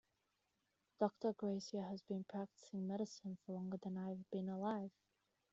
Doctor Garcia has been practicing medicine for longer than I have been alive.